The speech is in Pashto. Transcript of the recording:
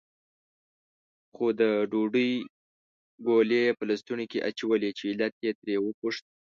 خو ده د ډوډۍ ګولې په لستوڼي کې اچولې، چې علت یې ترې وپوښت.